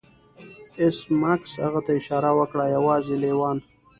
ایس میکس هغه ته اشاره وکړه یوازې لیوان